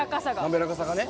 滑らかさがね。